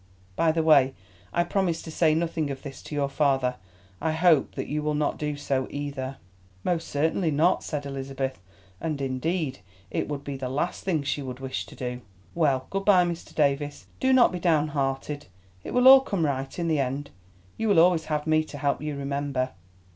By the way, I promised to say nothing of this to your father. I hope that you will not do so, either." "Most certainly not," said Elizabeth, and indeed it would be the last thing she would wish to do. "Well, good bye, Mr. Davies. Do not be downhearted; it will all come right in the end. You will always have me to help you, remember."